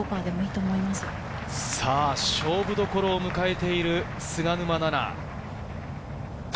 勝負どころを迎えている菅沼菜々。